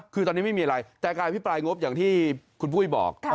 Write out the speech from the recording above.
คือตอนนี้ไม่มีอะไรแต่การอภิปรายงบอย่างที่คุณปุ้ยบอก